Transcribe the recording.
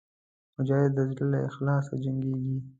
مجاهد د زړه له اخلاصه جنګېږي.